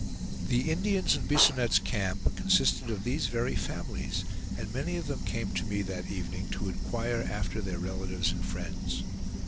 The Indians in Bisonette's camp consisted of these very families, and many of them came to me that evening to inquire after their relatives and friends.